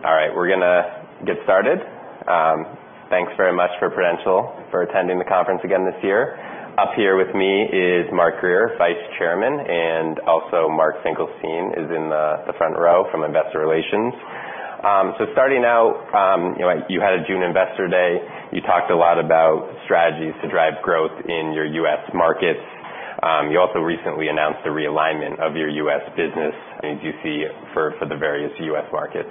All right, we're going to get started. Thanks very much for Prudential for attending the conference again this year. Up here with me is Mark Grier, Vice Chairman, and also Mark Finkelstein is in the front row from Investor Relations. Starting out, you had a June Investor Day. You talked a lot about strategies to drive growth in your U.S. markets. You also recently announced the realignment of your U.S. business. Do you see for the various U.S. markets?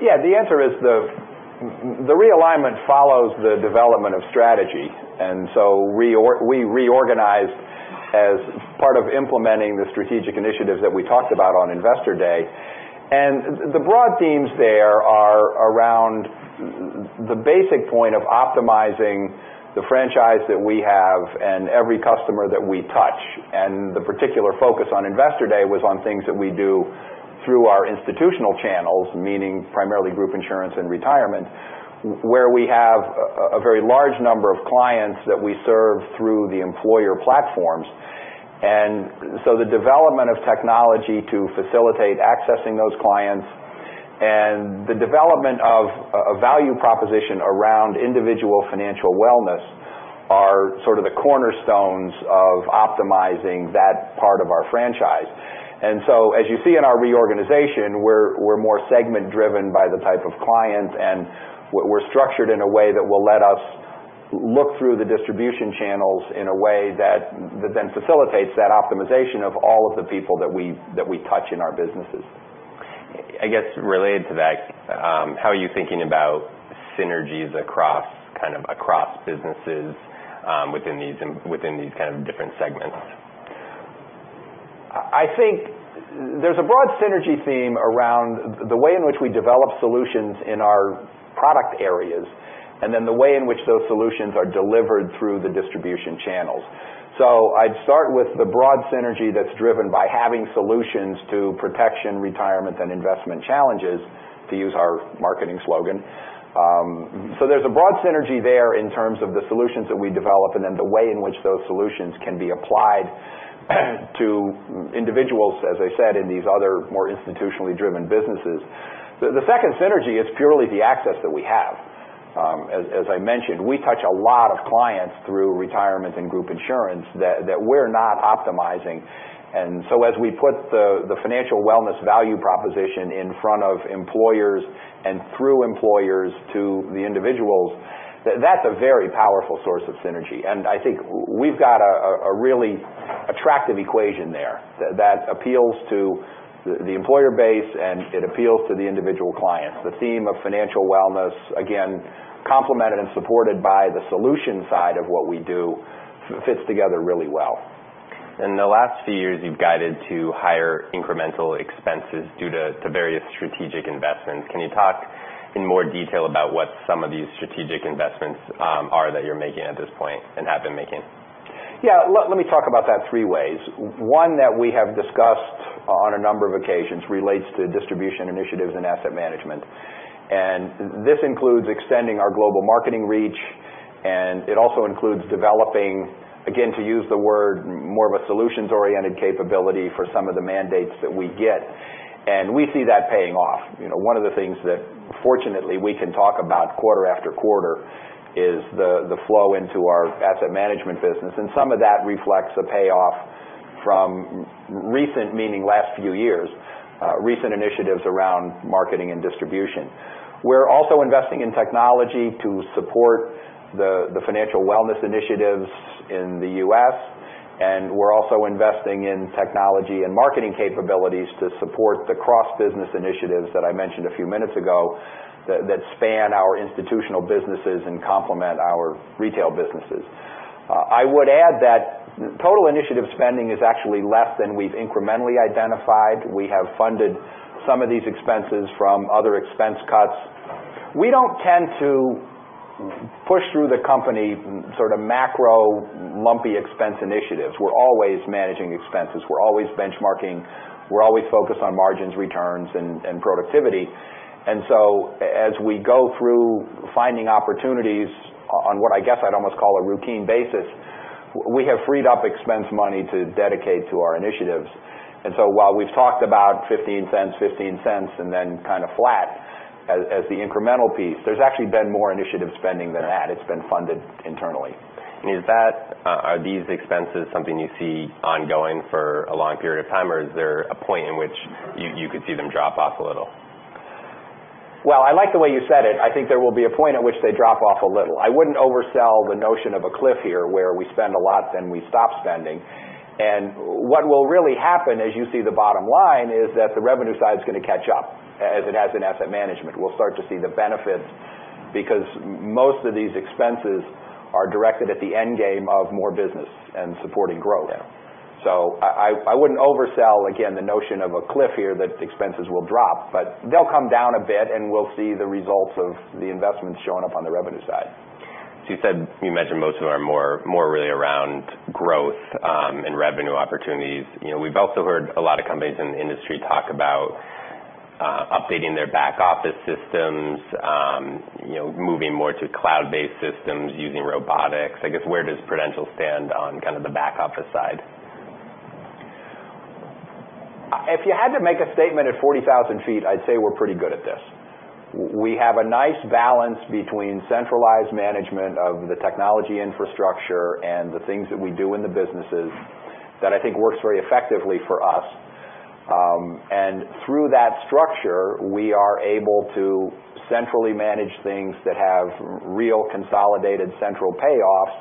Yeah, the answer is the realignment follows the development of strategy. We reorganized as part of implementing the strategic initiatives that we talked about on Investor Day. The broad themes there are around the basic point of optimizing the franchise that we have and every customer that we touch. The particular focus on Investor Day was on things that we do through our institutional channels, meaning primarily group insurance and retirement, where we have a very large number of clients that we serve through the employer platforms. The development of technology to facilitate accessing those clients and the development of a value proposition around individual financial wellness are sort of the cornerstones of optimizing that part of our franchise. As you see in our reorganization, we're more segment driven by the type of clients, and we're structured in a way that will let us look through the distribution channels in a way that then facilitates that optimization of all of the people that we touch in our businesses. I guess related to that, how are you thinking about synergies across businesses within these kind of different segments? I think there's a broad synergy theme around the way in which we develop solutions in our product areas, and then the way in which those solutions are delivered through the distribution channels. I'd start with the broad synergy that's driven by having solutions to protection, retirement, and investment challenges, to use our marketing slogan. There's a broad synergy there in terms of the solutions that we develop and then the way in which those solutions can be applied to individuals, as I said, in these other more institutionally driven businesses. The second synergy is purely the access that we have. As I mentioned, we touch a lot of clients through retirement and group insurance that we're not optimizing. As we put the financial wellness value proposition in front of employers and through employers to the individuals, that's a very powerful source of synergy. I think we've got a really attractive equation there that appeals to the employer base and it appeals to the individual clients. The theme of financial wellness, again, complemented and supported by the solution side of what we do, fits together really well. In the last few years, you've guided to higher incremental expenses due to various strategic investments. Can you talk in more detail about what some of these strategic investments are that you're making at this point and have been making? Let me talk about that three ways. One that we have discussed on a number of occasions relates to distribution initiatives and asset management. This includes extending our global marketing reach, it also includes developing, again, to use the word, more of a solutions-oriented capability for some of the mandates that we get. We see that paying off. One of the things that fortunately we can talk about quarter after quarter is the flow into our asset management business. Some of that reflects a payoff from recent, meaning last few years, recent initiatives around marketing and distribution. We're also investing in technology to support the financial wellness initiatives in the U.S., we're also investing in technology and marketing capabilities to support the cross-business initiatives that I mentioned a few minutes ago that span our institutional businesses and complement our retail businesses. I would add that total initiative spending is actually less than we've incrementally identified. We have funded some of these expenses from other expense cuts. We don't tend to push through the company sort of macro lumpy expense initiatives. We're always managing expenses. We're always benchmarking. We're always focused on margins, returns, and productivity. As we go through finding opportunities on what I guess I'd almost call a routine basis, we have freed up expense money to dedicate to our initiatives. While we've talked about $0.15, $0.15, and then kind of flat as the incremental piece, there's actually been more initiative spending than that. It's been funded internally. Are these expenses something you see ongoing for a long period of time, or is there a point in which you could see them drop off a little? Well, I like the way you said it. I think there will be a point at which they drop off a little. I wouldn't oversell the notion of a cliff here where we spend a lot, then we stop spending. What will really happen as you see the bottom line is that the revenue side is going to catch up, as it has in asset management. We'll start to see the benefits because most of these expenses are directed at the end game of more business and supporting growth. Yeah. I wouldn't oversell, again, the notion of a cliff here that expenses will drop, but they'll come down a bit and we'll see the results of the investments showing up on the revenue side. You said you mentioned most of them are more really around growth and revenue opportunities. We've also heard a lot of companies in the industry talk about updating their back office systems, moving more to cloud-based systems, using robotics. I guess, where does Prudential stand on kind of the back office side? If you had to make a statement at 40,000 feet, I'd say we're pretty good at this. We have a nice balance between centralized management of the technology infrastructure and the things that we do in the businesses that I think works very effectively for us. Through that structure, we are able to centrally manage things that have real consolidated central payoffs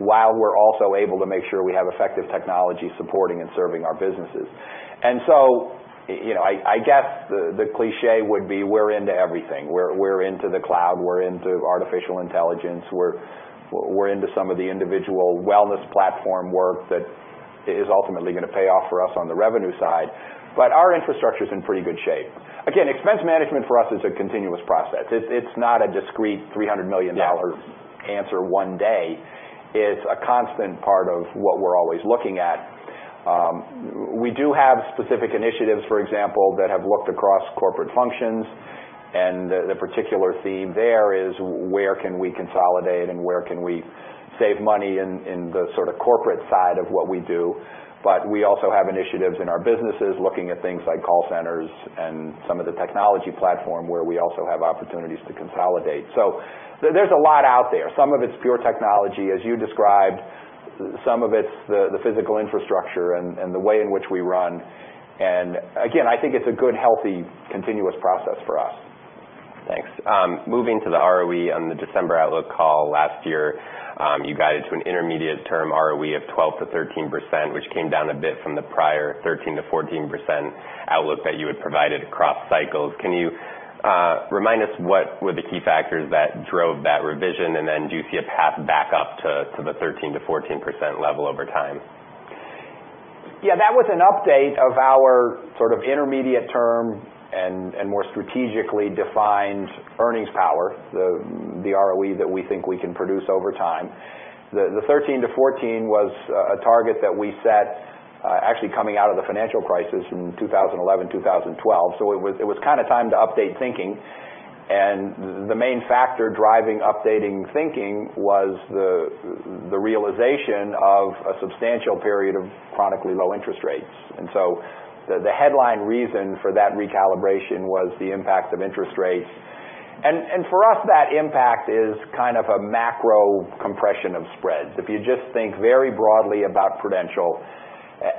while we're also able to make sure we have effective technology supporting and serving our businesses. I guess, the cliche would be we're into everything. We're into the cloud, we're into artificial intelligence, we're into some of the individual wellness platform work that is ultimately going to pay off for us on the revenue side, but our infrastructure's in pretty good shape. Again, expense management for us is a continuous process. It's not a discrete $300 million- Yeah answer one day. It's a constant part of what we're always looking at. We do have specific initiatives, for example, that have looked across corporate functions and the particular theme there is where can we consolidate and where can we save money in the corporate side of what we do. We also have initiatives in our businesses looking at things like call centers and some of the technology platform where we also have opportunities to consolidate. There's a lot out there. Some of it's pure technology, as you described. Some of it's the physical infrastructure and the way in which we run. Again, I think it's a good, healthy, continuous process for us. Thanks. Moving to the ROE on the December outlook call last year, you guided to an intermediate term ROE of 12%-13%, which came down a bit from the prior 13%-14% outlook that you had provided across cycles. Can you remind us what were the key factors that drove that revision? Do you see a path back up to the 13%-14% level over time? Yeah. That was an update of our intermediate term and more strategically defined earnings power, the ROE that we think we can produce over time. The 13%-14% was a target that we set, actually coming out of the financial crisis in 2011, 2012. It was time to update thinking, and the main factor driving updating thinking was the realization of a substantial period of chronically low interest rates. The headline reason for that recalibration was the impact of interest rates. For us, that impact is kind of a macro compression of spreads. If you just think very broadly about Prudential,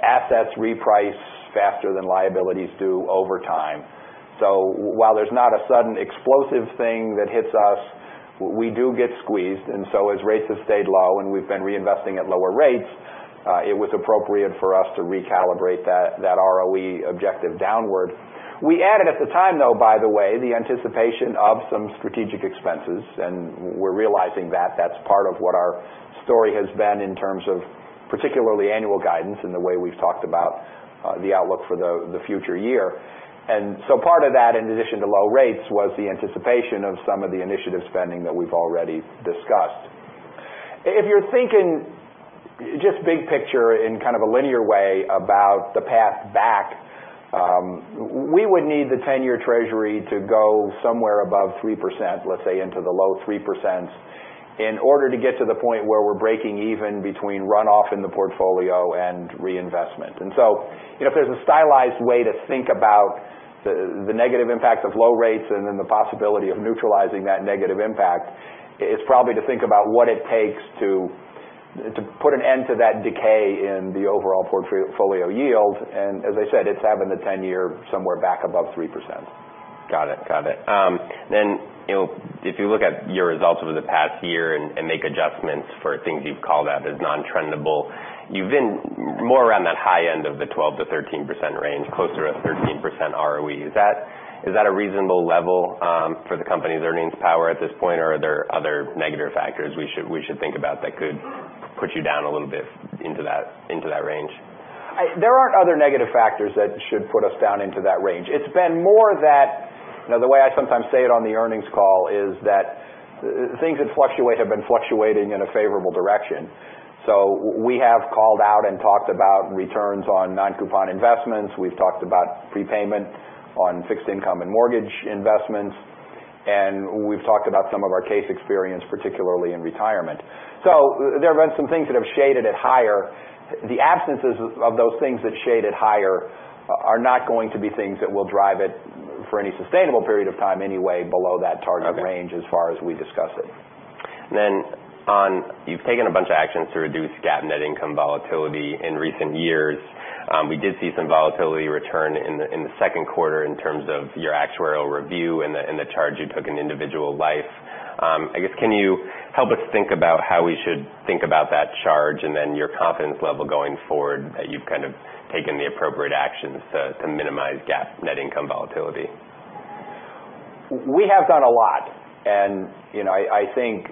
assets reprice faster than liabilities do over time. While there's not a sudden explosive thing that hits us, we do get squeezed. As rates have stayed low and we've been reinvesting at lower rates, it was appropriate for us to recalibrate that ROE objective downward. We added at the time, though, by the way, the anticipation of some strategic expenses, and we're realizing that that's part of what our story has been in terms of particularly annual guidance in the way we've talked about the outlook for the future year. Part of that, in addition to low rates, was the anticipation of some of the initiative spending that we've already discussed. If you're thinking just big picture in kind of a linear way about the path back, we would need the 10-year Treasury to go somewhere above 3%, let's say into the low 3%, in order to get to the point where we're breaking even between runoff in the portfolio and reinvestment. If there's a stylized way to think about the negative impact of low rates and then the possibility of neutralizing that negative impact, it's probably to think about what it takes to put an end to that decay in the overall portfolio yield. As I said, it's having the 10-year somewhere back above 3%. Got it. If you look at your results over the past year and make adjustments for things you've called out as non-trendable, you've been more around that high end of the 12%-13% range, closer to 13% ROE. Is that a reasonable level for the company's earnings power at this point, or are there other negative factors we should think about that could put you down a little bit into that range? There aren't other negative factors that should put us down into that range. It's been more that, the way I sometimes say it on the earnings call is that things that fluctuate have been fluctuating in a favorable direction. We have called out and talked about returns on non-coupon investments, we've talked about prepayment on fixed income and mortgage investments, and we've talked about some of our case experience, particularly in retirement. There have been some things that have shaded at higher. The absences of those things that shaded higher are not going to be things that will drive it for any sustainable period of time anyway below that target range as far as we discuss it. You've taken a bunch of actions to reduce GAAP net income volatility in recent years. We did see some volatility return in the second quarter in terms of your actuarial review and the charge you took in individual life. I guess, can you help us think about how we should think about that charge and then your confidence level going forward that you've kind of taken the appropriate actions to minimize GAAP net income volatility? We have done a lot, and I think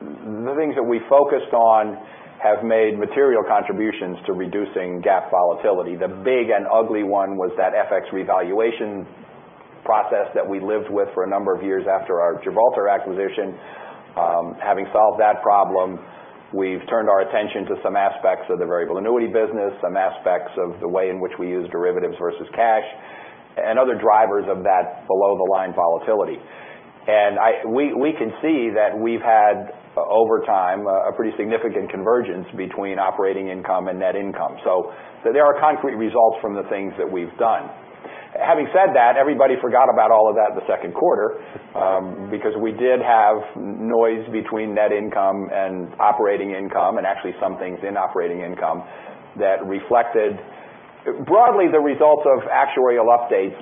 the things that we focused on have made material contributions to reducing GAAP volatility. The big and ugly one was that FX revaluation process that we lived with for a number of years after our Gibraltar acquisition. Having solved that problem, we've turned our attention to some aspects of the variable annuity business, some aspects of the way in which we use derivatives versus cash. Other drivers of that below the line volatility. We can see that we've had, over time, a pretty significant convergence between operating income and net income. There are concrete results from the things that we've done. Having said that, everybody forgot about all of that in the second quarter because we did have noise between net income and operating income, and actually some things in operating income that reflected broadly the results of actuarial updates.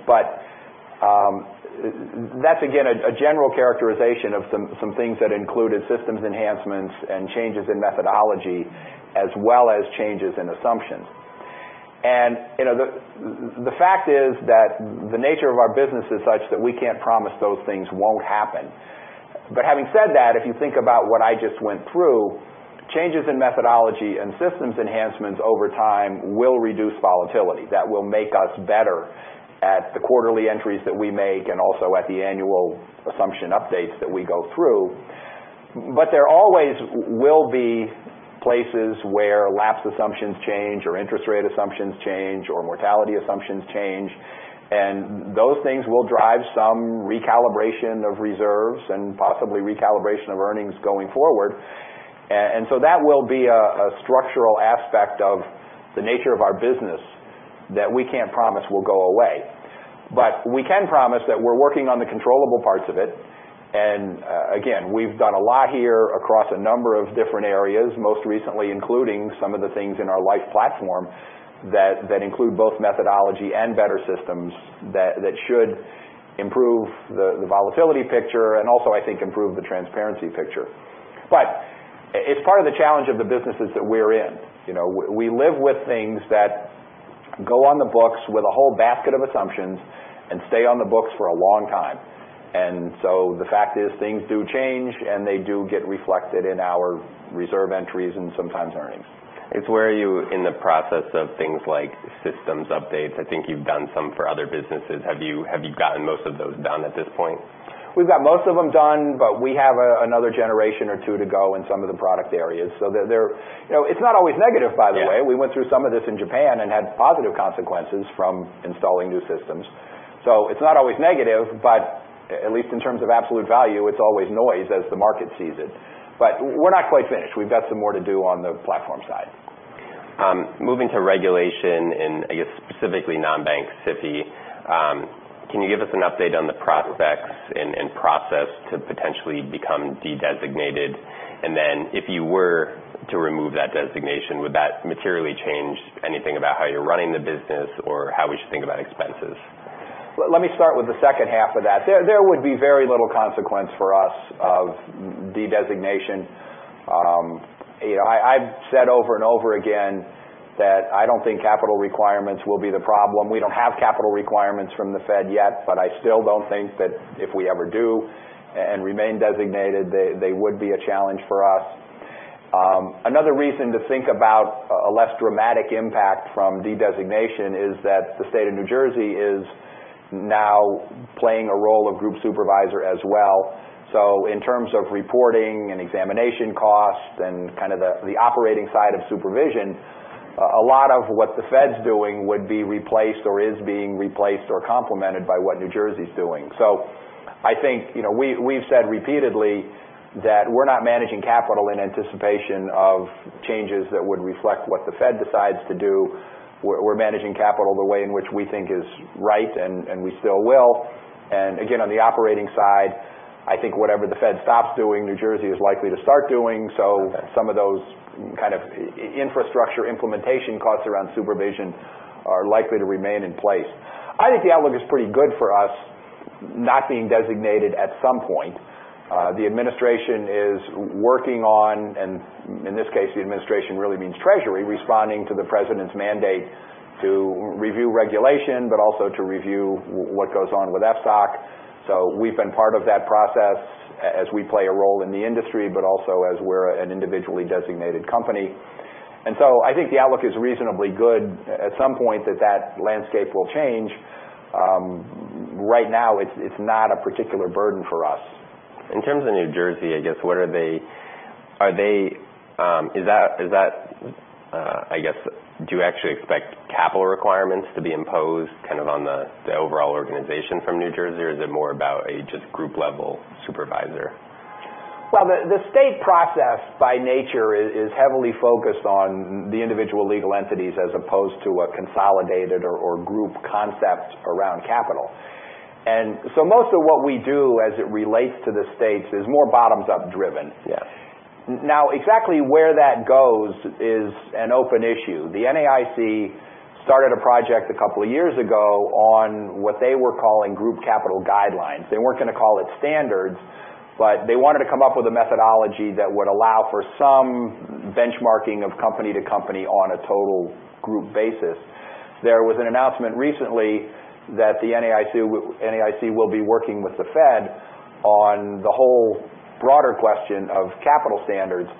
That's, again, a general characterization of some things that included systems enhancements and changes in methodology as well as changes in assumptions. The fact is that the nature of our business is such that we can't promise those things won't happen. Having said that, if you think about what I just went through, changes in methodology and systems enhancements over time will reduce volatility. That will make us better at the quarterly entries that we make and also at the annual assumption updates that we go through. There always will be places where lapse assumptions change or interest rate assumptions change or mortality assumptions change, and those things will drive some recalibration of reserves and possibly recalibration of earnings going forward. That will be a structural aspect of the nature of our business that we can't promise will go away. We can promise that we're working on the controllable parts of it. Again, we've done a lot here across a number of different areas, most recently, including some of the things in our life platform that include both methodology and better systems that should improve the volatility picture and also, I think, improve the transparency picture. It's part of the challenge of the businesses that we're in. We live with things that go on the books with a whole basket of assumptions and stay on the books for a long time. The fact is things do change, and they do get reflected in our reserve entries and sometimes earnings. It's where are you in the process of things like systems updates. I think you've done some for other businesses. Have you gotten most of those done at this point? We've got most of them done, we have another generation or two to go in some of the product areas. It's not always negative, by the way. Yeah. We went through some of this in Japan and had positive consequences from installing new systems. It's not always negative, but at least in terms of absolute value, it's always noise as the market sees it. We're not quite finished. We've got some more to do on the platform side. Moving to regulation and, I guess, specifically non-bank SIFI. Can you give us an update on the prospects and process to potentially become de-designated? If you were to remove that designation, would that materially change anything about how you're running the business or how we should think about expenses? Let me start with the second half of that. There would be very little consequence for us of de-designation. I've said over and over again that I don't think capital requirements will be the problem. We don't have capital requirements from the Fed yet, but I still don't think that if we ever do and remain designated, they would be a challenge for us. Another reason to think about a less dramatic impact from de-designation is that the state of New Jersey is now playing a role of group supervisor as well. In terms of reporting and examination costs and kind of the operating side of supervision, a lot of what the Fed's doing would be replaced or is being replaced or complemented by what New Jersey's doing. I think we've said repeatedly that we're not managing capital in anticipation of changes that would reflect what the Fed decides to do. We're managing capital the way in which we think is right and we still will. Again, on the operating side, I think whatever the Fed stops doing, New Jersey is likely to start doing. Some of those kind of infrastructure implementation costs around supervision are likely to remain in place. I think the outlook is pretty good for us not being designated at some point. The administration is working on, and in this case, the administration really means Treasury, responding to the president's mandate to review regulation, but also to review what goes on with FSOC. We've been part of that process as we play a role in the industry, but also as we're an individually designated company. I think the outlook is reasonably good at some point that that landscape will change. Right now, it's not a particular burden for us. In terms of New Jersey, I guess, do you actually expect capital requirements to be imposed kind of on the overall organization from New Jersey, or is it more about a just group-level supervisor? Well, the state process by nature is heavily focused on the individual legal entities as opposed to a consolidated or group concept around capital. Most of what we do as it relates to the states is more bottoms-up driven. Yeah. Now, exactly where that goes is an open issue. The NAIC started a project a couple of years ago on what they were calling group capital guidelines. They weren't going to call it standards. They wanted to come up with a methodology that would allow for some benchmarking of company to company on a total group basis. There was an announcement recently that the NAIC will be working with the Fed on the whole broader question of capital standards.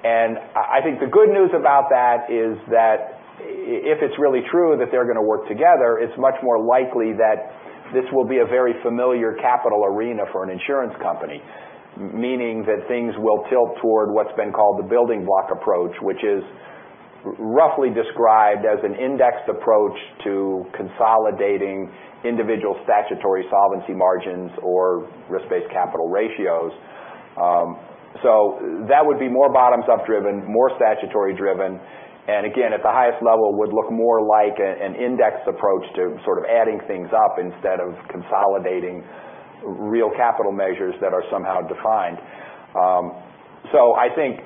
I think the good news about that is that if it's really true that they're going to work together, it's much more likely that this will be a very familiar capital arena for an insurance company, meaning that things will tilt toward what's been called the building block approach, which is roughly described as an indexed approach to consolidating individual statutory solvency margins or risk-based capital ratios. That would be more bottoms-up driven, more statutory driven, and again, at the highest level, would look more like an indexed approach to sort of adding things up instead of consolidating real capital measures that are somehow defined. I think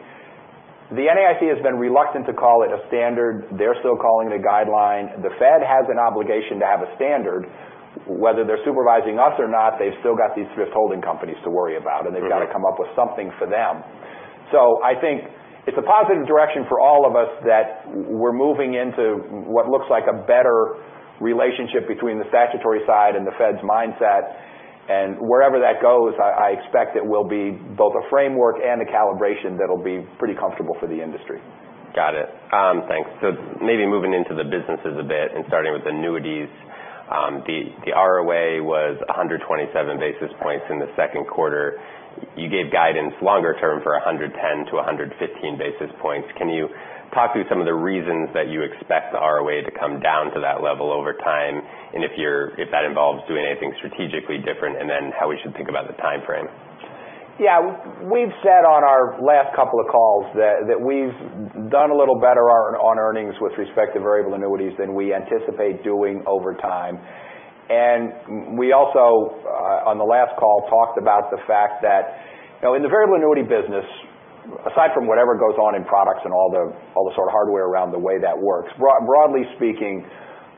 the NAIC has been reluctant to call it a standard. They're still calling it a guideline. The Fed has an obligation to have a standard. Whether they're supervising us or not, they've still got these thrift holding companies to worry about. They've got to come up with something for them. I think it's a positive direction for all of us that we're moving into what looks like a better relationship between the statutory side and the Fed's mindset. Wherever that goes, I expect it will be both a framework and a calibration that'll be pretty comfortable for the industry. Got it. Thanks. Maybe moving into the businesses a bit and starting with variable annuities. The ROA was 127 basis points in the second quarter. You gave guidance longer term for 110 to 115 basis points. Can you talk through some of the reasons that you expect the ROA to come down to that level over time? If that involves doing anything strategically different, and then how we should think about the timeframe. Yeah. We've said on our last couple of calls that we've done a little better on earnings with respect to variable annuities than we anticipate doing over time. We also, on the last call, talked about the fact that in the variable annuity business, aside from whatever goes on in products and all the sort of hardware around the way that works, broadly speaking,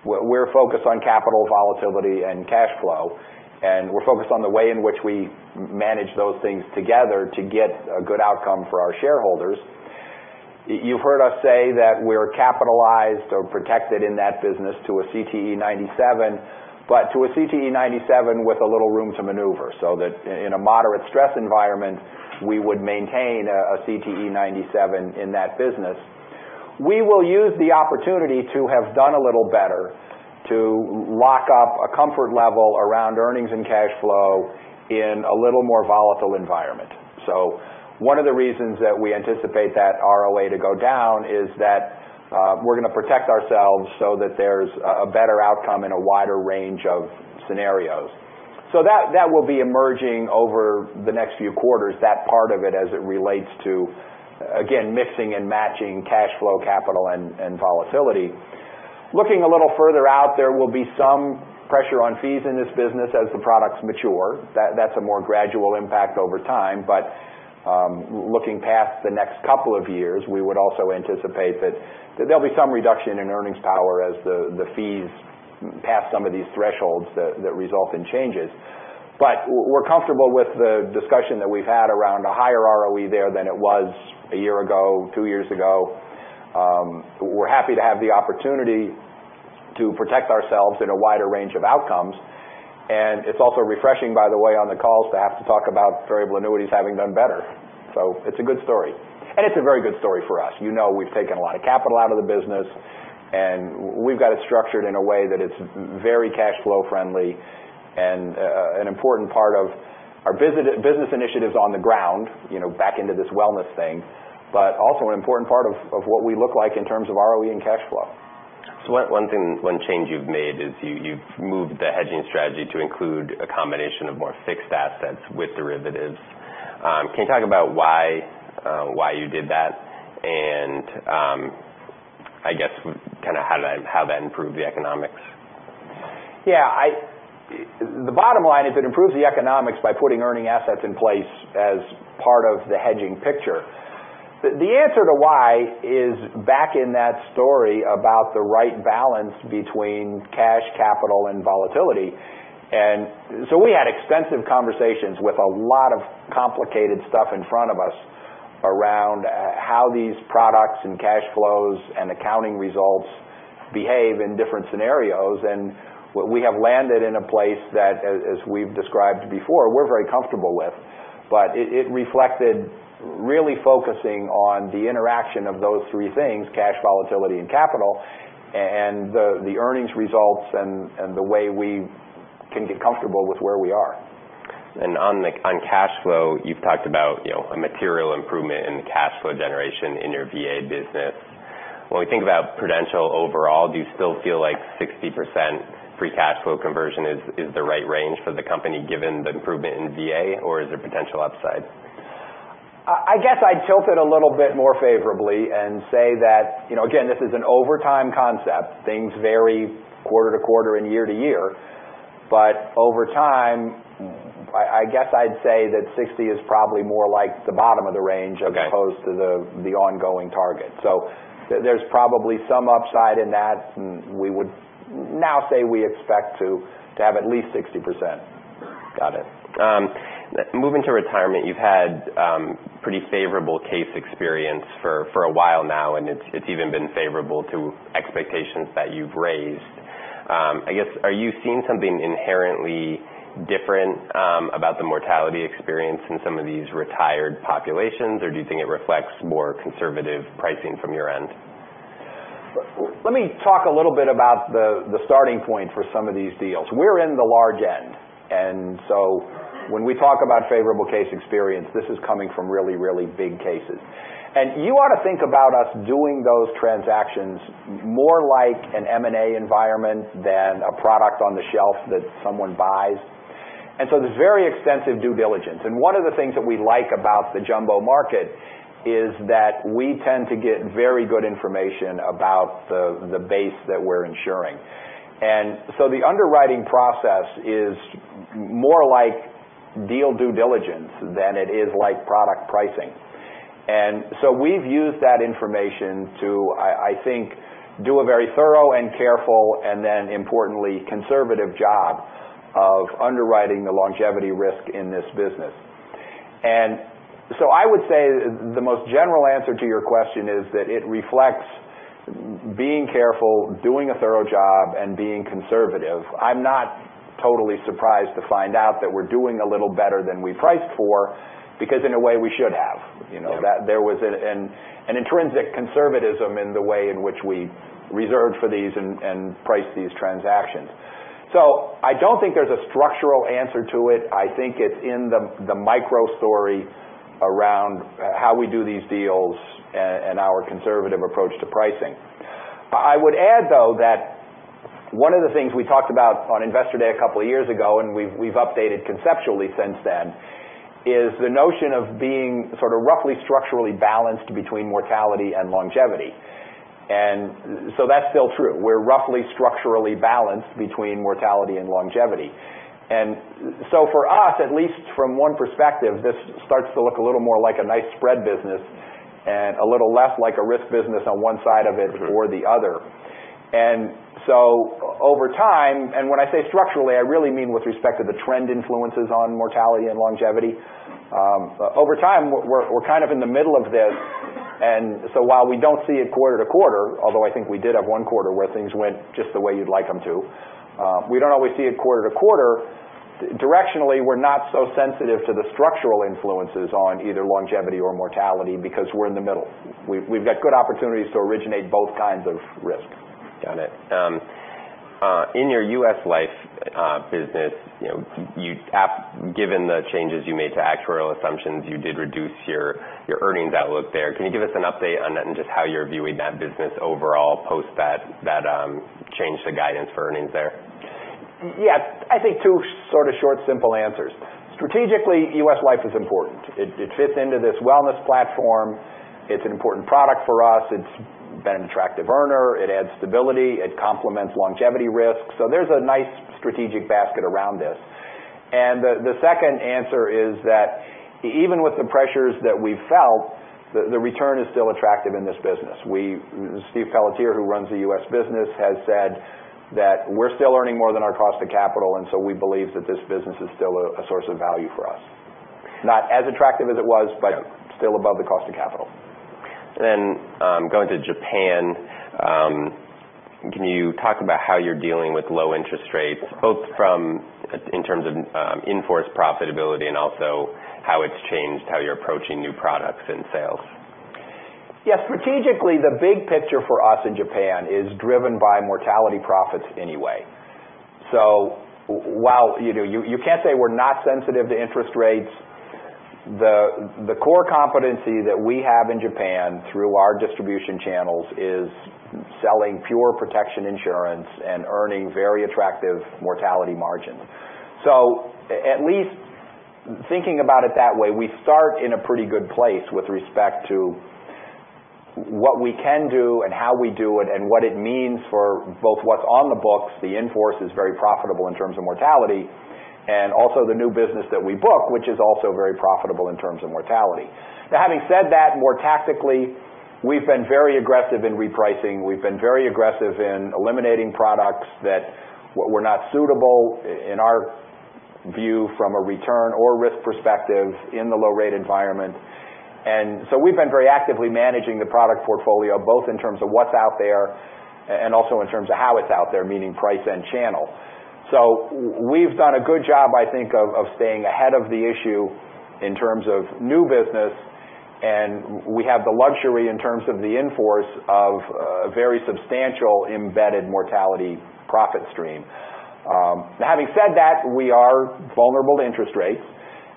we're focused on capital volatility and cash flow, and we're focused on the way in which we manage those things together to get a good outcome for our shareholders. You've heard us say that we're capitalized or protected in that business to a CTE 97, but to a CTE 97 with a little room to maneuver, so that in a moderate stress environment, we would maintain a CTE 97 in that business. We will use the opportunity to have done a little better to lock up a comfort level around earnings and cash flow in a little more volatile environment. One of the reasons that we anticipate that ROA to go down is that we're going to protect ourselves so that there's a better outcome and a wider range of scenarios. That will be emerging over the next few quarters, that part of it, as it relates to, again, mixing and matching cash flow, capital, and volatility. Looking a little further out, there will be some pressure on fees in this business as the products mature. That's a more gradual impact over time. Looking past the next couple of years, we would also anticipate that there'll be some reduction in earnings power as the fees pass some of these thresholds that result in changes. We're comfortable with the discussion that we've had around a higher ROE there than it was a year ago, two years ago. We're happy to have the opportunity to protect ourselves in a wider range of outcomes. It's also refreshing, by the way, on the calls to have to talk about variable annuities having done better. It's a good story. It's a very good story for us. You know we've taken a lot of capital out of the business, and we've got it structured in a way that it's very cash flow friendly and an important part of our business initiatives on the ground, back into this wellness thing, but also an important part of what we look like in terms of ROE and cash flow. One change you've made is you've moved the hedging strategy to include a combination of more fixed assets with derivatives. Can you talk about why you did that and, I guess, how that improved the economics? Yeah. The bottom line is it improves the economics by putting earning assets in place as part of the hedging picture. The answer to why is back in that story about the right balance between cash, capital, and volatility. We had extensive conversations with a lot of complicated stuff in front of us around how these products and cash flows and accounting results behave in different scenarios. We have landed in a place that, as we've described before, we're very comfortable with. It reflected really focusing on the interaction of those three things, cash, volatility, and capital, and the earnings results and the way we can get comfortable with where we are. On cash flow, you've talked about a material improvement in the cash flow generation in your VA business. When we think about Prudential overall, do you still feel like 60% free cash flow conversion is the right range for the company given the improvement in VA, or is there potential upside? I guess I'd tilt it a little bit more favorably and say that, again, this is an over time concept. Things vary quarter-to-quarter and year-to-year. Over time, I guess I'd say that 60 is probably more like the bottom of the range. Okay As opposed to the ongoing target. There's probably some upside in that. We would now say we expect to have at least 60%. Got it. Moving to retirement, you've had pretty favorable case experience for a while now, it's even been favorable to expectations that you've raised. I guess, are you seeing something inherently different about the mortality experience in some of these retired populations, or do you think it reflects more conservative pricing from your end? Let me talk a little bit about the starting point for some of these deals. We're in the large end. When we talk about favorable case experience, this is coming from really, really big cases. You ought to think about us doing those transactions more like an M&A environment than a product on the shelf that someone buys. There's very extensive due diligence. One of the things that we like about the jumbo market is that we tend to get very good information about the base that we're insuring. The underwriting process is more like deal due diligence than it is like product pricing. We've used that information to, I think, do a very thorough and careful, and then importantly, conservative job of underwriting the longevity risk in this business. I would say the most general answer to your question is that it reflects being careful, doing a thorough job, and being conservative. I'm not totally surprised to find out that we're doing a little better than we priced for, because in a way, we should have. Yeah. There was an intrinsic conservatism in the way in which we reserved for these and priced these transactions. I don't think there's a structural answer to it. I think it's in the micro story around how we do these deals and our conservative approach to pricing. I would add, though, that one of the things we talked about on Investor Day a couple of years ago, and we've updated conceptually since then, is the notion of being roughly structurally balanced between mortality and longevity. That's still true. We're roughly structurally balanced between mortality and longevity. For us, at least from one perspective, this starts to look a little more like a nice spread business and a little less like a risk business on one side of it or the other. Over time, and when I say structurally, I really mean with respect to the trend influences on mortality and longevity. Over time, we're kind of in the middle of this, and so while we don't see it quarter to quarter, although I think we did have one quarter where things went just the way you'd like them to, we don't always see it quarter to quarter. Directionally, we're not so sensitive to the structural influences on either longevity or mortality because we're in the middle. We've got good opportunities to originate both kinds of risk. Got it. In your U.S. Life business, given the changes you made to actuarial assumptions, you did reduce your earnings outlook there. Can you give us an update on that and just how you're viewing that business overall post that change to guidance for earnings there? Yes. I think two sort of short, simple answers. Strategically, U.S. Life is important. It fits into this wellness platform. It's an important product for us. It's been an attractive earner. It adds stability. It complements longevity risk. There's a nice strategic basket around this. The second answer is that even with the pressures that we've felt, the return is still attractive in this business. Stephen Pelletier, who runs the U.S. business, has said that we're still earning more than our cost of capital, we believe that this business is still a source of value for us. Not as attractive as it was, still above the cost of capital. Going to Japan, can you talk about how you're dealing with low interest rates, both in terms of in-force profitability and also how it's changed how you're approaching new products and sales? Yeah. Strategically, the big picture for us in Japan is driven by mortality profits anyway. While you can't say we're not sensitive to interest rates, the core competency that we have in Japan through our distribution channels is selling pure protection insurance and earning very attractive mortality margins. At least thinking about it that way, we start in a pretty good place with respect to what we can do and how we do it and what it means for both what's on the books, the in-force is very profitable in terms of mortality, and also the new business that we book, which is also very profitable in terms of mortality. Having said that, more tactically, we've been very aggressive in repricing. We've been very aggressive in eliminating products that were not suitable, in our view, from a return or risk perspective in the low rate environment. We've been very actively managing the product portfolio, both in terms of what's out there and also in terms of how it's out there, meaning price and channel. We've done a good job, I think, of staying ahead of the issue in terms of new business, and we have the luxury in terms of the in-force of a very substantial embedded mortality profit stream. Having said that, we are vulnerable to interest rates,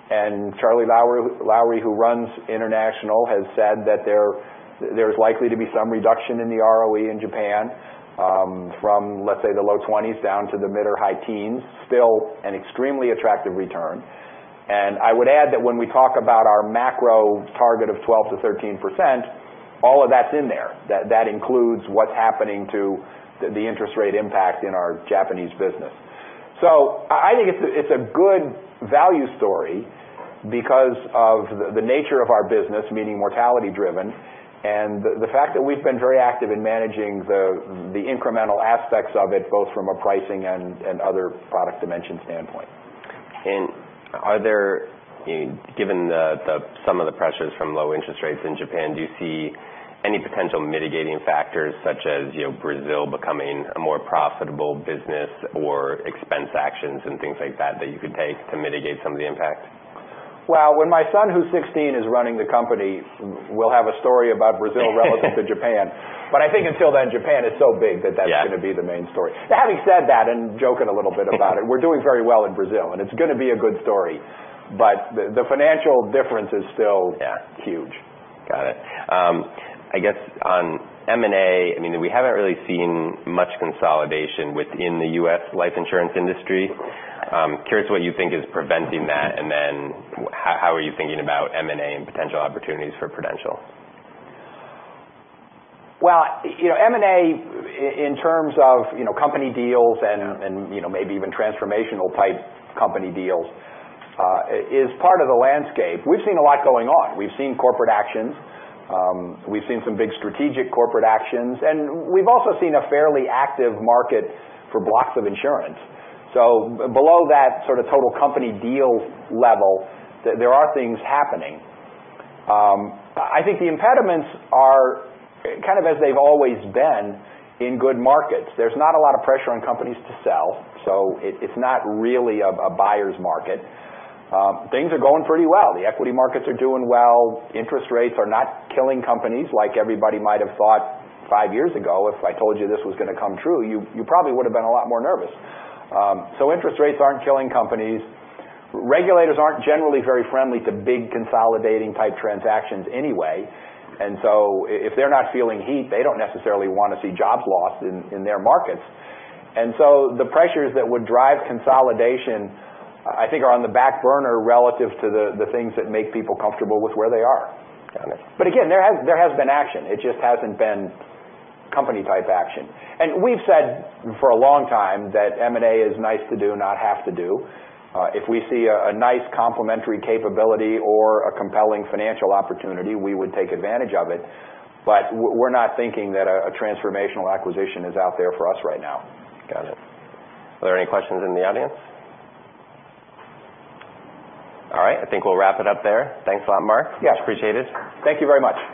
and Charlie Lowrey, who runs International, has said that there's likely to be some reduction in the ROE in Japan from, let's say, the low 20s down to the mid or high teens. Still an extremely attractive return. I would add that when we talk about our macro target of 12%-13%, all of that's in there. That includes what's happening to the interest rate impact in our Japanese business. I think it's a good value story because of the nature of our business, meaning mortality-driven, and the fact that we've been very active in managing the incremental aspects of it, both from a pricing and other product dimension standpoint. Given some of the pressures from low interest rates in Japan, do you see any potential mitigating factors such as Brazil becoming a more profitable business or expense actions and things like that that you could take to mitigate some of the impact? When my son, who's 16, is running the company, we'll have a story about Brazil relative to Japan. I think until then, Japan is so big that that's going to be the main story. Having said that and joking a little bit about it, we're doing very well in Brazil, and it's going to be a good story, but the financial difference is still huge. Got it. I guess on M&A, we haven't really seen much consolidation within the U.S. life insurance industry. Curious what you think is preventing that, and how are you thinking about M&A and potential opportunities for Prudential? Well, M&A in terms of company deals and maybe even transformational type company deals is part of the landscape. We've seen a lot going on. We've seen corporate actions. We've seen some big strategic corporate actions, and we've also seen a fairly active market for blocks of insurance. Below that sort of total company deal level, there are things happening. I think the impediments are kind of as they've always been in good markets. There's not a lot of pressure on companies to sell, so it's not really a buyer's market. Things are going pretty well. The equity markets are doing well. Interest rates are not killing companies like everybody might have thought 5 years ago. If I told you this was going to come true, you probably would have been a lot more nervous. Interest rates aren't killing companies. Regulators aren't generally very friendly to big consolidating type transactions anyway. If they're not feeling heat, they don't necessarily want to see jobs lost in their markets. The pressures that would drive consolidation, I think, are on the back burner relative to the things that make people comfortable with where they are. Got it. Again, there has been action. It just hasn't been company type action. We've said for a long time that M&A is nice to do, not have to do. If we see a nice complementary capability or a compelling financial opportunity, we would take advantage of it. We're not thinking that a transformational acquisition is out there for us right now. Got it. Are there any questions in the audience? All right, I think we'll wrap it up there. Thanks a lot, Mark. Yes. Appreciate it. Thank you very much.